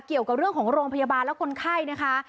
เกี่ยวกับเรื่องของโรงพยาบาลและคนไข้นะคะ